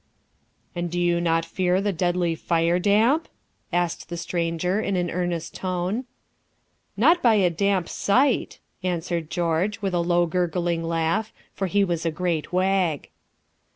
"And do you not fear the deadly fire damp?" asked the stranger in an earnest tone. "Not by a damp sight," answered George, with a low gurgling laugh, for he was a great wag.